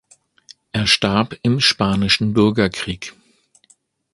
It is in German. Er starb im spanischen Bürgerkrieg.